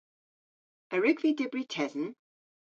A wrug vy dybri tesen?